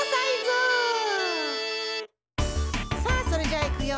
さあそれじゃあいくよ！